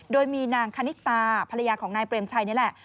โดยมีนางคณิตาภรรยาของนายเปรมชัยนี่แหละ